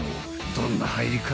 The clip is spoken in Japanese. どんな入り方？］